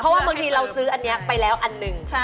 เพราะว่าบางทีเราซื้ออันนี้ไปแล้วอันหนึ่ง